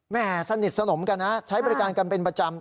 สนิทสนมกันนะใช้บริการกันเป็นประจำ